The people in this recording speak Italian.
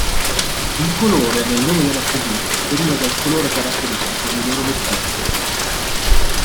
Il colore nel nome della tribù deriva dal colore caratteristico dei loro vestiti.